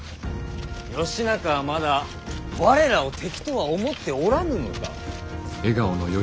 義仲はまだ我らを敵とは思っておらぬのか。